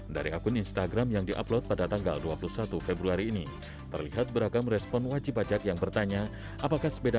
tanpa sosialisasi yang jelas ini sehingga menimbulkan beragam persepsi